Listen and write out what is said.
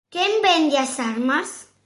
Quen vende as armas?